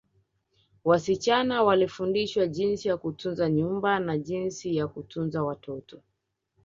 Wasichana walifundishwa jinsi ya kutunza nyumba na jinsi ya kutunza watoto